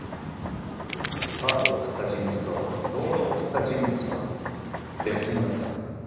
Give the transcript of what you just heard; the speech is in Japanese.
カードを送った人物と動画を送った人物は別人だった。